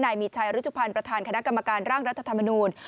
มีชัยรุชุพันธ์ประธานคณะกรรมการร่างรัฐธรรมนูล